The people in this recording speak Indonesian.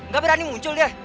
gak berani muncul dia